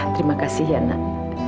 terima kasih ya nak